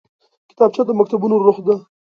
کتابچه د مکتبونو روح ده